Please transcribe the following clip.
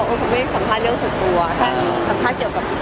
เขาไม่ได้สัมภาษณ์เรื่องสัตวจอ